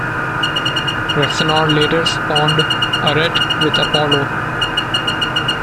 Rhexenor later spawned Arete with Apollo.